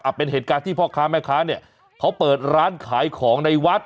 เป็นเหตุการณ์ที่พ่อค้าแม่ค้าเนี่ยเขาเปิดร้านขายของในวัด